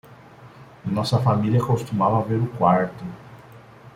Nossa família costumava ver o quarto